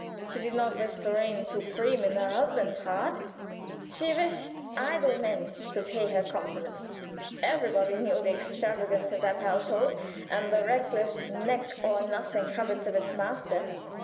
She did not wish to reign supreme in her husband's heart; she wished idle men to pay her compliments. Everybody in knew of the extravagance of that household, and the reckless, neck or nothing habits of its master.